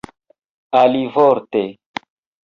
alivorte